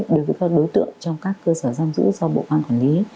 đối với các đối tượng trong các cơ sở giam giữ do bộ ban quản lý